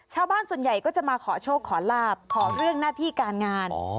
ชาวบ้านส่วนใหญ่ก็จะมาขอโชคขอลาบขอเรื่องหน้าที่การงาน